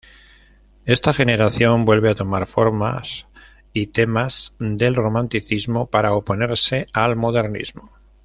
Esta generación vuelve a tomar formas y temas del romanticismo para oponerse al modernismo.